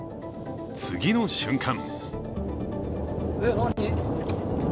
次の瞬間